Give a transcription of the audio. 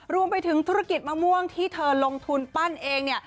รวมไปถึงธุรกิจมะม่วงที่เธอลงทุนปั้นเอง